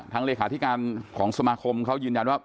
เลขาธิการของสมาคมเขายืนยันว่า